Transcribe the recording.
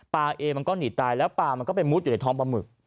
เอมันก็หนีตายแล้วปลามันก็ไปมุดอยู่ในท้องปลาหมึก